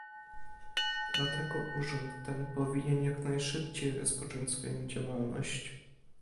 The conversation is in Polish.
Dlatego urząd ten powinien jak najszybciej rozpocząć swoją działalność